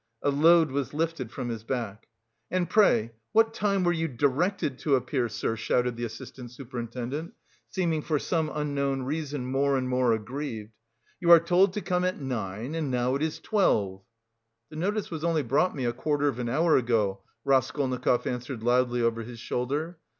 A load was lifted from his back. "And pray, what time were you directed to appear, sir?" shouted the assistant superintendent, seeming for some unknown reason more and more aggrieved. "You are told to come at nine, and now it's twelve!" "The notice was only brought me a quarter of an hour ago," Raskolnikov answered loudly over his shoulder.